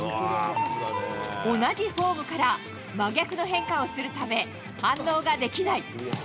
同じフォームから真逆の変化をするため、反応ができない。